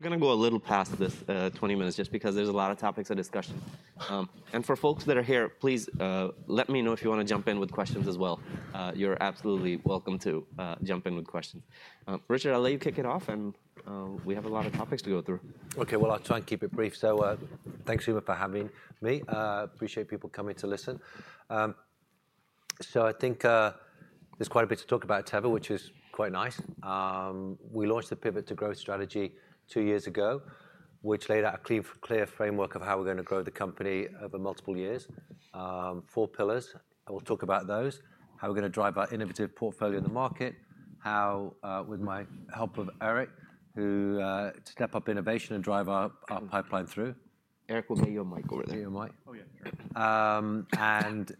Going to go a little past this, 20 minutes, just because there's a lot of topics of discussion, and for folks that are here, please let me know if you want to jump in with questions as well. You're absolutely welcome to jump in with questions. Richard, I'll let you kick it off, and we have a lot of topics to go through. Okay, well, I'll try and keep it brief. So, thanks, Umer, for having me. Appreciate people coming to listen. So I think, there's quite a bit to talk about Teva, which is quite nice. We launched the Pivot to Growth strategy two years ago, which laid out a clear, clear framework of how we're going to grow the company over multiple years. Four pillars. I will talk about those: how we're going to drive our innovative portfolio in the market, how, with the help of Eric, who to step up innovation and drive our pipeline through. Eric, we'll get you on mic over there. Get you on mic. Oh, yeah. And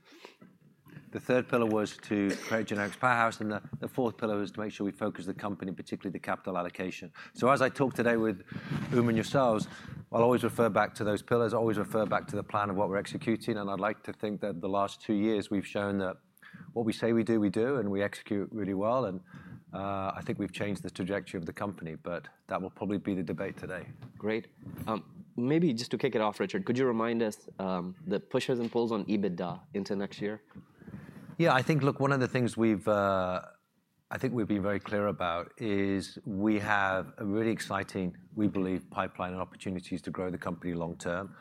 the third pillar was to create a generic powerhouse, and the fourth pillar was to make sure we focus the company, particularly the capital allocation. So, as I talk today with Umer and yourselves, I'll always refer back to those pillars, always refer back to the plan of what we're executing, and I'd like to think that the last two years we've shown that what we say we do, we do, and we execute really well. And, I think we've changed the trajectory of the company, but that will probably be the debate today. Great. Maybe just to kick it off, Richard, could you remind us, the pushes and pulls on EBITDA into next year? Yeah, I think, look, one of the things we've, I think we've been very clear about is we have a really exciting, we believe, pipeline and opportunities to grow the company long term,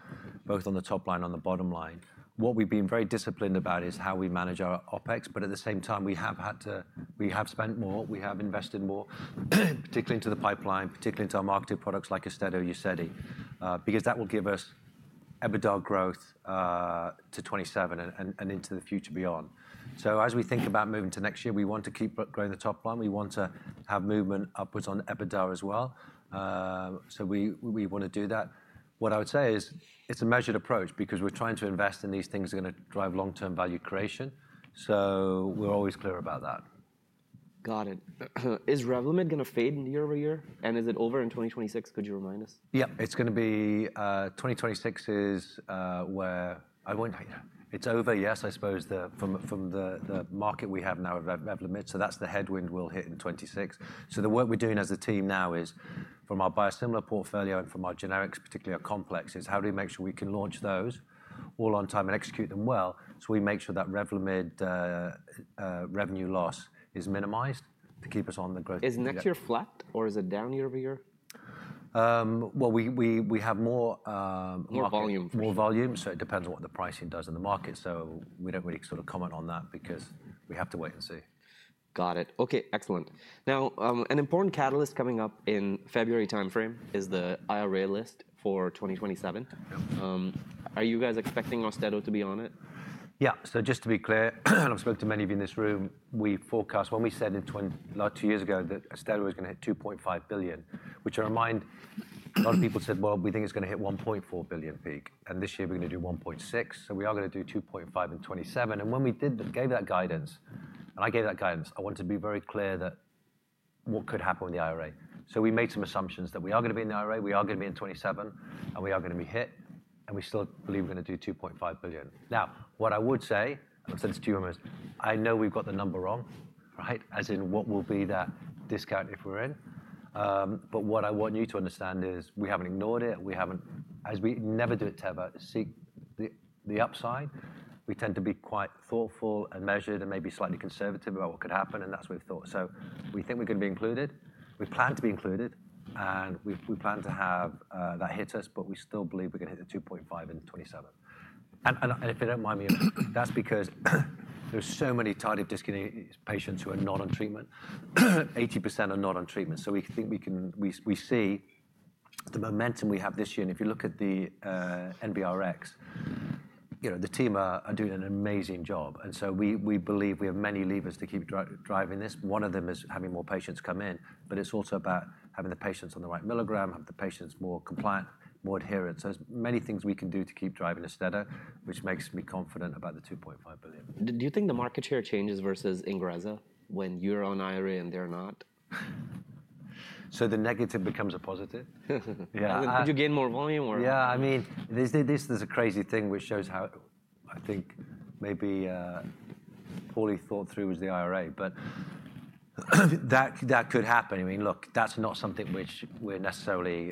both on the top line and on the bottom line. What we've been very disciplined about is how we manage our OpEx, but at the same time, we have had to, we have spent more, we have invested more, particularly into the pipeline, particularly into our marketing products like Austedo or Uzedy, because that will give us EBITDA growth to 2027 and into the future beyond. So, as we think about moving to next year, we want to keep growing the top line. We want to have movement upwards on EBITDA as well, so we want to do that. What I would say is it's a measured approach because we're trying to invest in these things that are going to drive long-term value creation. So, we're always clear about that. Got it. Is Revlimid going to fade year-over-year? And is it over in 2026? Could you remind us? Yeah, it's going to be 2026 where it's over from the market we have now of Revlimid. So that's the headwind we'll hit in 2026. So the work we're doing as a team now is from our biosimilar portfolio and from our generics, particularly our complexes, how do we make sure we can launch those all on time and execute them well so we make sure that Revlimid revenue loss is minimized to keep us on the growth. Is next year flat or is it down year-over-year? Well, we have more, More volume. More volume. So it depends on what the pricing does in the market. So we don't really sort of comment on that because we have to wait and see. Got it. Okay, excellent. Now, an important catalyst coming up in February timeframe is the IRA list for 2027. Are you guys expecting Austedo to be on it? Yeah, so just to be clear, and I've spoke to many of you in this room, we forecast when we said in twenty, like two years ago that Austedo was going to hit $2.5 billion, which I remind a lot of people said, well, we think it's going to hit $1.4 billion peak. And this year we're going to do $1.6 billion. So we are going to do $2.5 billion in 2027. And when we did give that guidance, and I gave that guidance, I wanted to be very clear that what could happen with the IRA. So we made some assumptions that we are going to be in the IRA, we are going to be in 2027, and we are going to be hit. And we still believe we're going to do $2.5 billion. Now, what I would say, I've said this to you almost. I know we've got the number wrong, right? As in what will be that discount if we're in, but what I want you to understand is we haven't ignored it. We haven't, as we never do at Teva, seek the upside. We tend to be quite thoughtful and measured and maybe slightly conservative about what could happen, and that's what we've thought. So we think we're going to be included. We plan to be included, and we plan to have that hit us, but we still believe we're going to hit the $2.5 billion in 2027. And if you don't mind me, that's because there's so many tardive dyskinesia patients who are not on treatment. 80% are not on treatment. So we think we can see the momentum we have this year. If you look at the NBRX, you know, the team are doing an amazing job. We believe we have many levers to keep driving this. One of them is having more patients come in, but it's also about having the patients on the right milligram, have the patients more compliant, more adherent. There's many things we can do to keep driving Austedo, which makes me confident about the $2.5 billion. Do you think the market share changes versus Ingrezza when you're on IRA and they're not? So the negative becomes a positive. Yeah. Would you gain more volume or? Yeah, I mean, this is a crazy thing which shows how I think maybe poorly thought through was the IRA, but that could happen. I mean, look, that's not something which we're necessarily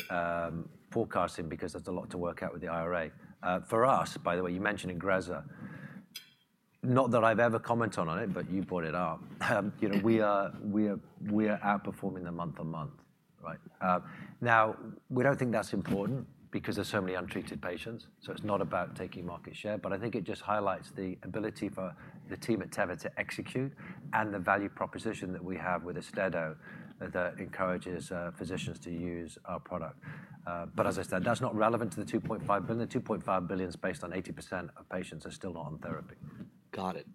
forecasting because there's a lot to work out with the IRA. For us, by the way, you mentioned Ingrezza. Not that I've ever commented on it, but you brought it up. You know, we are outperforming them month on month, right? Now, we don't think that's important because there's so many untreated patients. So it's not about taking market share, but I think it just highlights the ability for the team at Teva to execute and the value proposition that we have with Austedo that encourages physicians to use our product. But as I said, that's not relevant to the $2.5 billion. The $2.5 billion is based on 80% of patients are still not on therapy. Got it.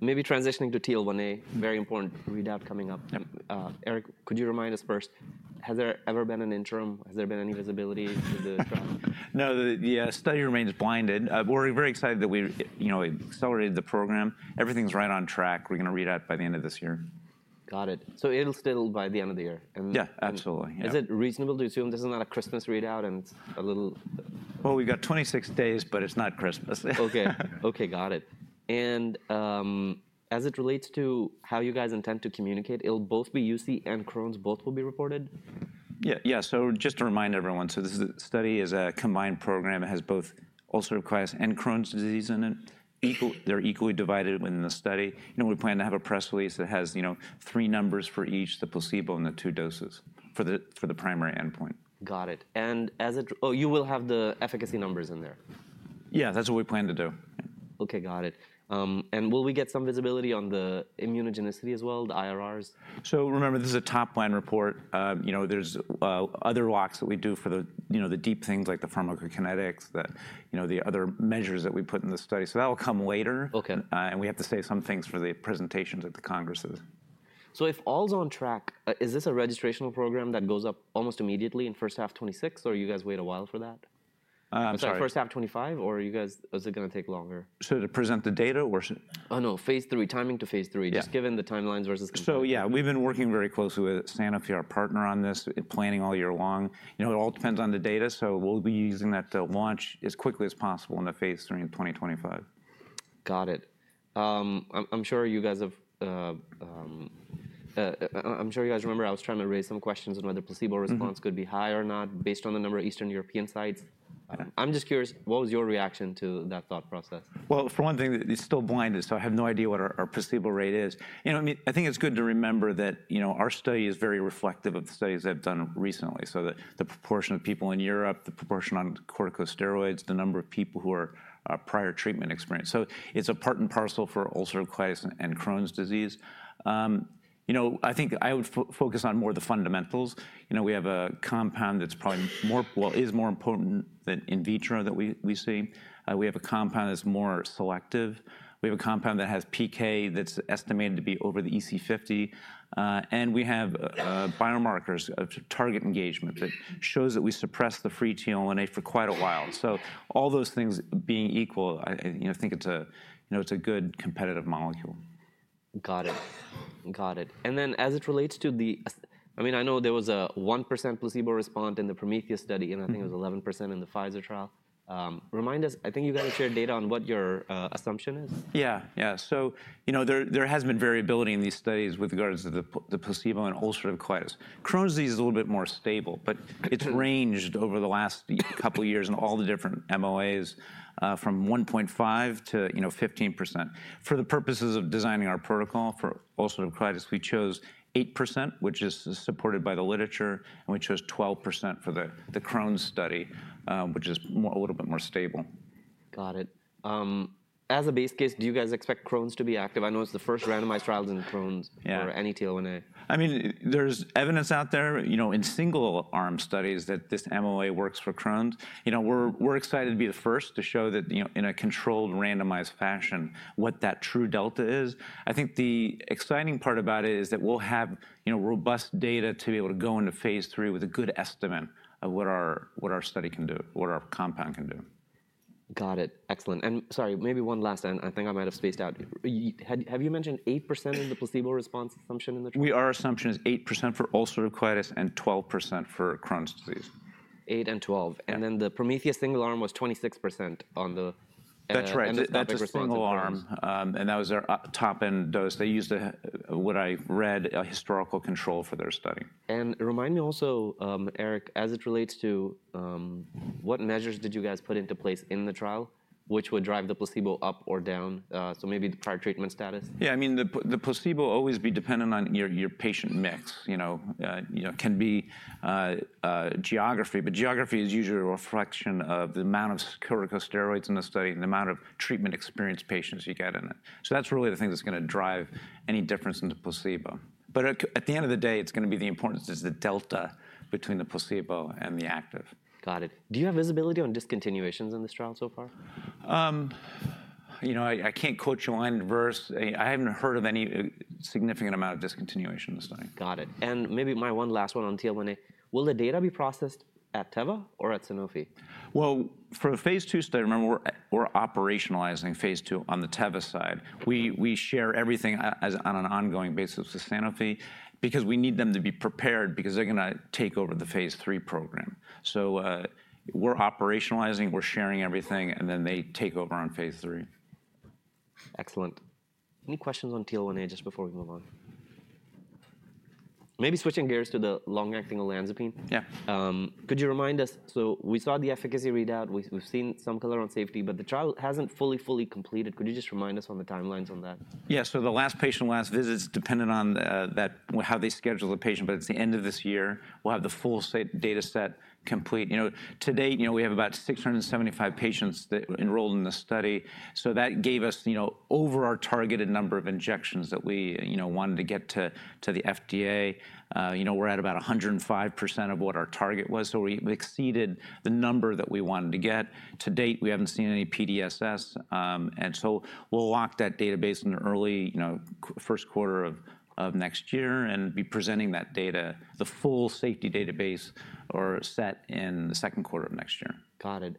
Maybe transitioning to TL1A, very important readout coming up. Eric, could you remind us first, has there ever been an interim? Has there been any visibility to the drug? No, the study remains blinded. We're very excited that we, you know, accelerated the program. Everything's right on track. We're going to read out by the end of this year. Got it. So it'll still by the end of the year? Yeah, absolutely. Is it reasonable to assume this is not a Christmas readout and it's a little? We've got 26 days, but it's not Christmas. Okay. Okay, got it. And, as it relates to how you guys intend to communicate, it'll both be UC and Crohn's, both will be reported? Yeah, yeah. So just to remind everyone, so this study is a combined program. It has both ulcerative colitis and Crohn's disease in it. Equally, they're equally divided within the study. You know, we plan to have a press release that has, you know, three numbers for each, the placebo and the two doses for the primary endpoint. Got it. And as it, you will have the efficacy numbers in there? Yeah, that's what we plan to do. Okay, got it, and will we get some visibility on the immunogenicity as well, the IRRs? So remember, this is a top line report. You know, there's other work that we do for the, you know, the deep things like the pharmacokinetics, the, you know, the other measures that we put in the study. So that'll come later. Okay. And we have to say some things for the presentations at the congresses. So if all's on track, is this a registration program that goes up almost immediately in first half 2026, or do you guys wait a while for that? I'm sorry, first half 2025, or are you guys, is it going to take longer? To present the data or? Oh, no, phase III, timing to phase III. Just given the timelines versus compared to. So yeah, we've been working very closely with Sanofi, our partner, on this, planning all year long. You know, it all depends on the data. So we'll be using that to launch as quickly as possible in the phase III in 2025. Got it. I'm sure you guys remember I was trying to raise some questions on whether placebo response could be high or not based on the number of Eastern European sites. I'm just curious. What was your reaction to that thought process? Well, for one thing, it's still blinded, so I have no idea what our placebo rate is. You know, I mean, I think it's good to remember that, you know, our study is very reflective of the studies that have done recently. So the, the proportion of people in Europe, the proportion on corticosteroids, the number of people who are, prior treatment experience. So it's a part and parcel for ulcerative colitis and Crohn's disease. You know, I think I would focus on more of the fundamentals. You know, we have a compound that's probably more, well, is more important than in vitro that we, we see. We have a compound that's more selective. We have a compound that has PK that's estimated to be over the EC50. And we have biomarkers of target engagement that shows that we suppress the free TL1A for quite a while. So all those things being equal, I, you know, think it's a, you know, it's a good competitive molecule. Got it. Got it. And then as it relates to the, I mean, I know there was a 1% placebo response in the Prometheus study, and I think it was 11% in the Pfizer trial. Remind us, I think you guys shared data on what your assumption is. Yeah, yeah. So, you know, there, there has been variability in these studies with regards to the placebo and ulcerative colitis. Crohn's disease is a little bit more stable, but it's ranged over the last couple of years in all the different MOAs, from 1.5%-15%. For the purposes of designing our protocol for ulcerative colitis, we chose 8%, which is supported by the literature, and we chose 12% for the Crohn's study, which is a little bit more stable. Got it. As a base case, do you guys expect Crohn's to be active? I know it's the first randomized trials in Crohn's for any TL1A. Yeah, I mean, there's evidence out there, you know, in single-arm studies that this MOA works for Crohn's. You know, we're excited to be the first to show that, you know, in a controlled randomized fashion, what that true delta is. I think the exciting part about it is that we'll have, you know, robust data to be able to go into phase III with a good estimate of what our study can do, what our compound can do. Got it. Excellent. And sorry, maybe one last, and I think I might have spaced out. You had, have you mentioned 8% of the placebo response assumption in the trial? Our assumption is 8% for ulcerative colitis and 12% for Crohn's disease. Eight and 12, and then the Prometheus single-arm was 26% on the MOA that took a single-arm. That's right. That's a single-arm. That was their top-end dose. They used a historical control for their study, what I read. And remind me also, Eric, as it relates to what measures did you guys put into place in the trial which would drive the placebo up or down? So maybe the prior treatment status? Yeah, I mean, the placebo will always be dependent on your patient mix, you know, geography, but geography is usually a reflection of the amount of corticosteroids in the study and the amount of treatment experienced patients you get in it. So that's really the thing that's going to drive any difference in the placebo. But at the end of the day, it's going to be the importance is the delta between the placebo and the active. Got it. Do you have visibility on discontinuations in this trial so far? You know, I can't quote you chapter and verse. I haven't heard of any significant amount of discontinuation in the study. Got it. And maybe my one last one on TL1A, will the data be processed at Teva or at Sanofi? For a phase two study, remember we're operationalizing phase two on the Teva side. We share everything and on an ongoing basis with Sanofi because we need them to be prepared because they're going to take over the phase III program. We're operationalizing, we're sharing everything, and then they take over on phase III. Excellent. Any questions on TL1A just before we move on? Maybe switching gears to the long-acting olanzapine. Yeah. Could you remind us, so we saw the efficacy readout, we've seen some color on safety, but the trial hasn't fully completed. Could you just remind us on the timelines on that? Yeah, so the last patient's last visits dependent on that, how they schedule the patient, but it's the end of this year. We'll have the full data set complete. You know, today, you know, we have about 675 patients that enrolled in the study. So that gave us, you know, over our targeted number of injections that we, you know, wanted to get to, to the FDA. You know, we're at about 105% of what our target was. So we exceeded the number that we wanted to get. To date, we haven't seen any PDSS. And so we'll lock that database in the early, you know, first quarter of, of next year and be presenting that data, the full safety database or set in the second quarter of next year. Got it.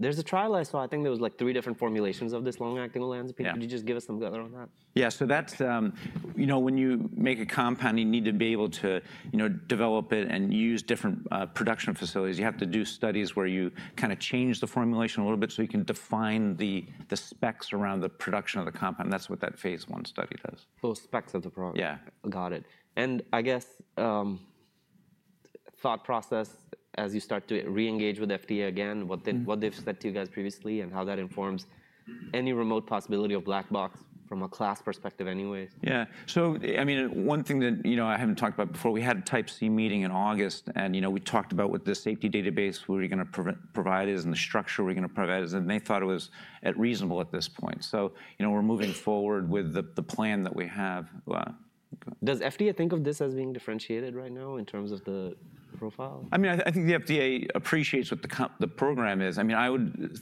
There's a trial last fall. I think there was like three different formulations of this long-acting olanzapine. Could you just give us some color on that? Yeah, so that's, you know, when you make a compound, you need to be able to, you know, develop it and use different production facilities. You have to do studies where you kind of change the formulation a little bit so you can define the specs around the production of the compound. That's what that phase one study does. Those specs of the product. Yeah. Got it. And I guess, thought process as you start to re-engage with FDA again, what they've said to you guys previously and how that informs any remote possibility of black box from a class perspective anyways? Yeah. So, I mean, one thing that, you know, I haven't talked about before, we had a Type C meeting in August and, you know, we talked about what the safety database, what are you going to provide is and the structure we're going to provide is, and they thought it was reasonable at this point. So, you know, we're moving forward with the plan that we have. Does FDA think of this as being differentiated right now in terms of the profile? I mean, I think the FDA appreciates what the program is. I mean, I would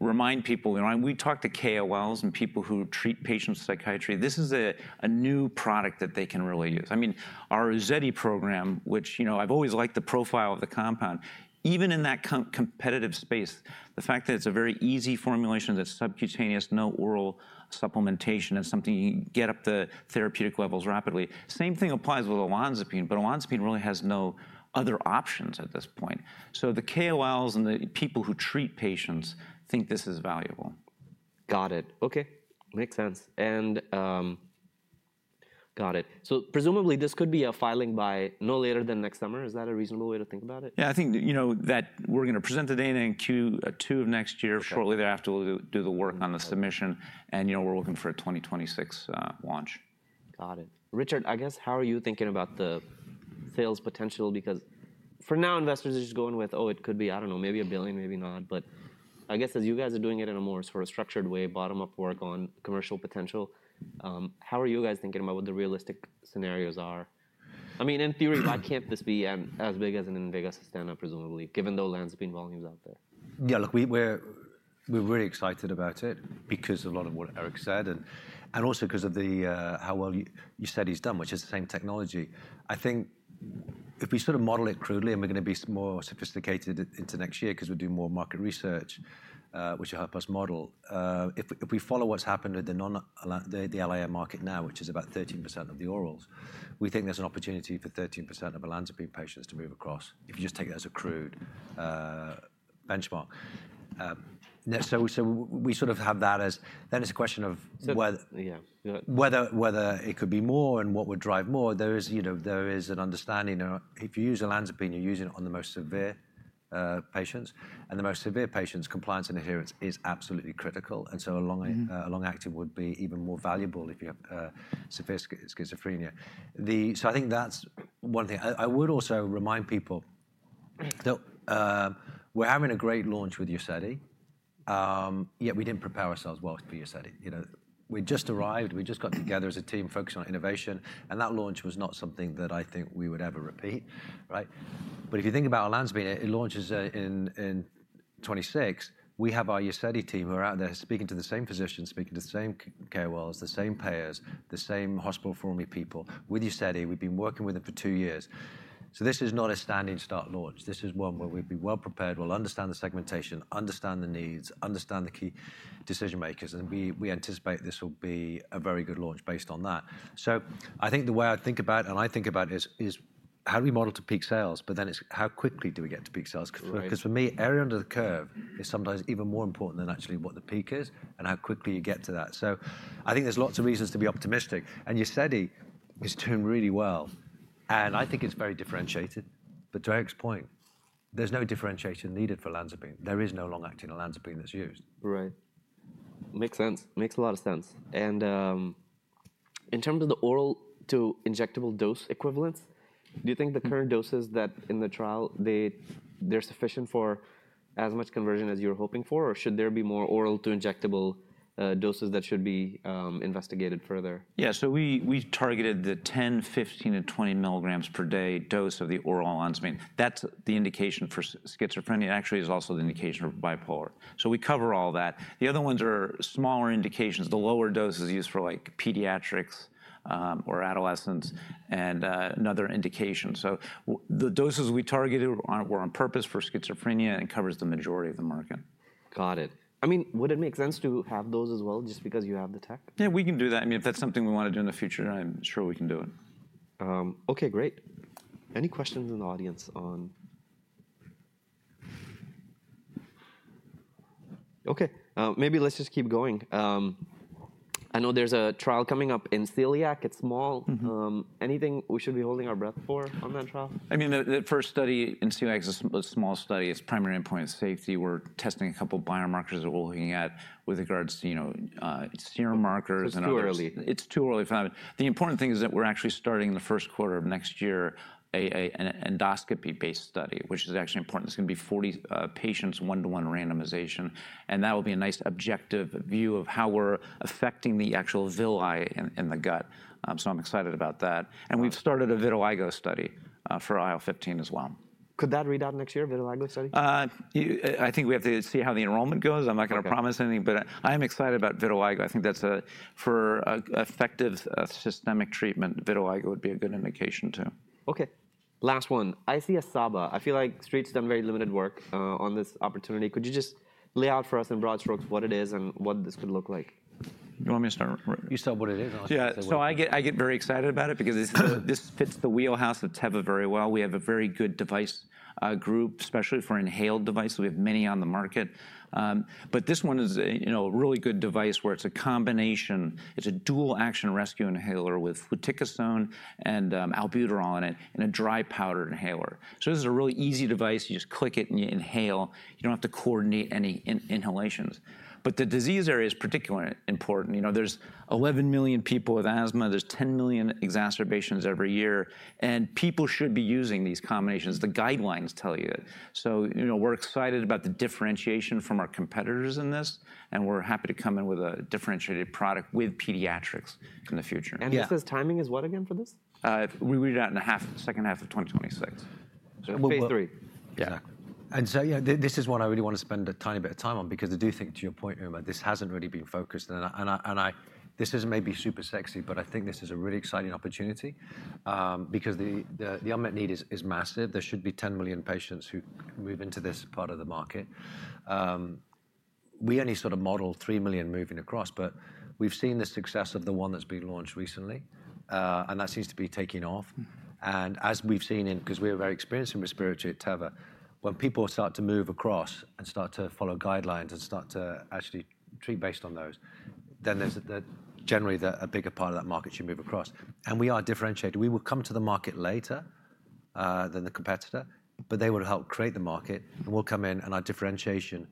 remind people, you know, we talk to KOLs and people who treat patients with psychiatry. This is a new product that they can really use. I mean, our Uzedy program, which, you know, I've always liked the profile of the compound, even in that competitive space, the fact that it's a very easy formulation, that's subcutaneous, no oral supplementation, and something you can get up the therapeutic levels rapidly. Same thing applies with olanzapine, but olanzapine really has no other options at this point. So the KOLs and the people who treat patients think this is valuable. Got it. Okay. Makes sense. And, got it. So presumably this could be a filing by no later than next summer. Is that a reasonable way to think about it? Yeah, I think, you know, that we're going to present the data in Q2 of next year, shortly thereafter we'll do the work on the submission and, you know, we're looking for a 2026 launch. Got it. Richard, I guess how are you thinking about the sales potential? Because for now, investors are just going with, oh, it could be, I don't know, maybe a billion, maybe not, but I guess as you guys are doing it in a more sort of structured way, bottom-up work on commercial potential, how are you guys thinking about what the realistic scenarios are? I mean, in theory, why can't this be as big as an Invega Sustenna, presumably, given the olanzapine volumes out there? Yeah, look, we're really excited about it because of a lot of what Eric said and also because of how well Uzedy's done, which is the same technology. I think if we sort of model it crudely and we're going to be more sophisticated into next year because we're doing more market research, which will help us model. If we follow what's happened with the non-LAI market now, which is about 13% of the orals, we think there's an opportunity for 13% of olanzapine patients to move across if you just take it as a crude benchmark. So we sort of have that as, then it's a question of whether it could be more and what would drive more. There is, you know, an understanding if you use olanzapine, you're using it on the most severe patients. And the most severe patients, compliance and adherence is absolutely critical. And so a long-acting would be even more valuable if you have severe schizophrenia. So I think that's one thing. I would also remind people that we're having a great launch with Uzedy, yet we didn't prepare ourselves well for Uzedy. You know, we just arrived, we just got together as a team focused on innovation, and that launch was not something that I think we would ever repeat, right? But if you think about olanzapine, it launches in 2026. We have our Uzedy team who are out there speaking to the same physicians, speaking to the same KOLs, the same payers, the same hospital formulary people with Uzedy. We've been working with them for two years. This is not a standing start launch. This is one where we've been well prepared. We'll understand the segmentation, understand the needs, understand the key decision makers, and we anticipate this will be a very good launch based on that. I think the way I think about it is how do we model to peak sales, but then it's how quickly do we get to peak sales? Because for me, area under the curve is sometimes even more important than actually what the peak is and how quickly you get to that. I think there's lots of reasons to be optimistic. Uzedy is doing really well. I think it's very differentiated, but to Eric's point, there's no differentiation needed for olanzapine. There is no long-acting olanzapine that's used. Right. Makes sense. Makes a lot of sense. And, in terms of the oral to injectable dose equivalents, do you think the current doses that in the trial, they're sufficient for as much conversion as you're hoping for, or should there be more oral to injectable, doses that should be, investigated further? Yeah, so we targeted the 10, 15, and 20 milligrams per day dose of the oral olanzapine. That's the indication for schizophrenia. It actually is also the indication for bipolar. So we cover all that. The other ones are smaller indications. The lower dose is used for like pediatrics, or adolescents and another indication. So the doses we targeted were on purpose for schizophrenia and covers the majority of the market. Got it. I mean, would it make sense to have those as well just because you have the tech? Yeah, we can do that. I mean, if that's something we want to do in the future, I'm sure we can do it. Okay, great. Any questions in the audience on? Okay, maybe let's just keep going. I know there's a trial coming up in celiac. It's small. Anything we should be holding our breath for on that trial? I mean, the first study in celiac is a small study. Its primary endpoint safety. We're testing a couple of biomarkers that we're looking at with regards to, you know, serum markers. It's too early. It's too early for that. The important thing is that we're actually starting in the first quarter of next year an endoscopy-based study, which is actually important. It's going to be 40 patients, one-to-one randomization, and that will be a nice objective view of how we're affecting the actual villi in the gut. So I'm excited about that, and we've started a vitiligo study for IL-15 as well. Could that read out next year, vitiligo study? I think we have to see how the enrollment goes. I'm not going to promise anything, but I am excited about vitiligo. I think that's a, for effective systemic treatment, vitiligo would be a good indication too. Okay. Last one. ICS/SABA. I feel like the street has done very limited work on this opportunity. Could you just lay out for us in broad strokes what it is and what this could look like? Do you want me to start? You start what it is, and I'll start what it is. Yeah. So I get very excited about it because this fits the wheelhouse of Teva very well. We have a very good device group, especially for inhaled devices. We have many on the market. But this one is, you know, a really good device where it's a combination. It's a dual-action rescue inhaler with fluticasone and albuterol in it and a dry powder inhaler. So this is a really easy device. You just click it and you inhale. You don't have to coordinate any inhalations. But the disease area is particularly important. You know, there's 11 million people with asthma. There's 10 million exacerbations every year. And people should be using these combinations. The guidelines tell you it. So, you know, we're excited about the differentiation from our competitors in this. And we're happy to come in with a differentiated product with pediatrics in the future. You said timing is what again for this? We readout in the second half of 2026. phase III. Yeah. And so, yeah, this is one I really want to spend a tiny bit of time on because I do think to your point, Umer, this hasn't really been focused. And I this is maybe super sexy, but I think this is a really exciting opportunity, because the unmet need is massive. There should be 10 million patients who move into this part of the market. We only sort of model 3 million moving across, but we've seen the success of the one that's been launched recently. And that seems to be taking off. And as we've seen, because we're very experienced in respiratory at Teva, when people start to move across and start to follow guidelines and start to actually treat based on those, then there's generally a bigger part of that market should move across. And we are differentiated. We will come to the market later than the competitor, but they will help create the market. And we'll come in and our differentiation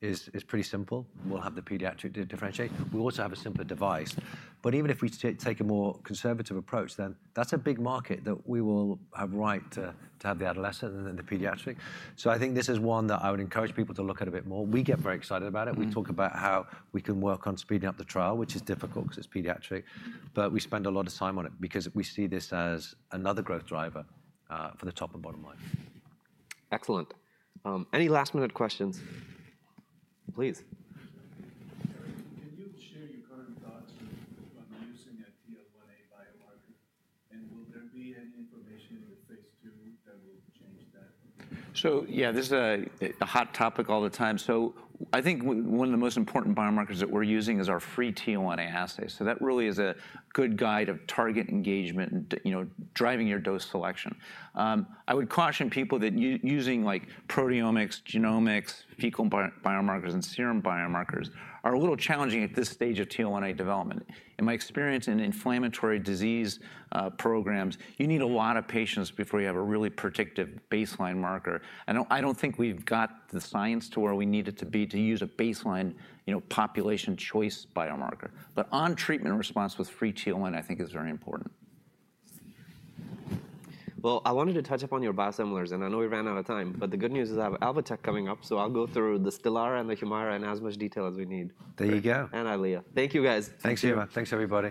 is pretty simple. We'll have the pediatric differentiate. We also have a simpler device. But even if we take a more conservative approach, then that's a big market that we will have right to have the adolescent and then the pediatric. So I think this is one that I would encourage people to look at a bit more. We get very excited about it. We talk about how we can work on speeding up the trial, which is difficult because it's pediatric, but we spend a lot of time on it because we see this as another growth driver for the top and bottom line. Excellent. Any last minute questions? Please. Can you share your current thoughts on using a Teva biomarker? And will there be any information in the phase II that will change that? Yeah, this is a hot topic all the time. I think one of the most important biomarkers that we're using is our free TL1A assay. That really is a good guide of target engagement and, you know, driving your dose selection. I would caution people that using like proteomics, genomics, fecal biomarkers and serum biomarkers are a little challenging at this stage of TL1A development. In my experience in inflammatory disease programs, you need a lot of patients before you have a really predictive baseline marker. I don't think we've got the science to where we need it to be to use a baseline, you know, population choice biomarker. On treatment response with free TL1A, I think is very important. I wanted to touch up on your biosimilars, and I know we ran out of time, but the good news is I have Alvotech coming up, so I'll go through the Stelara and the Humira in as much detail as we need. There you go. Eliyahu. Thank you guys. Thanks, Teva. Thanks, everybody.